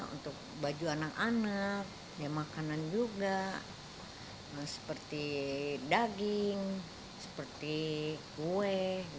untuk baju anak anak makanan juga seperti daging seperti kue